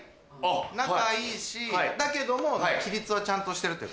仲いいしだけども規律はちゃんとしてるっていうか。